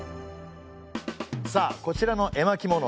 さあこちらの絵巻物